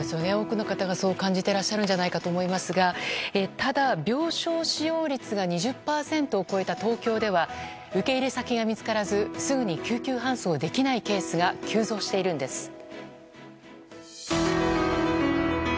多くの方がそう感じていらっしゃるんじゃないかと思いますがただ、病床使用率が２０％を超えた東京では受け入れ先が見つからずすぐに救急搬送できないケースが急増しているんです。